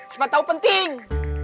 sampai tahu penting